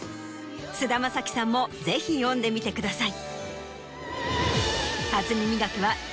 菅田将暉さんもぜひ読んでみてください。